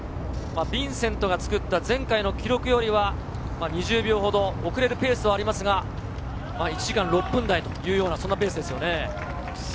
ヴィンセントが作った前回の記録よりは２０秒ほど遅れるペースではありますが、１時間６分台というペースですよね。